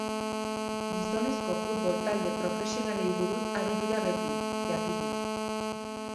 Gizonezko futbol talde profesionalei buruz ari dira beti, jakina.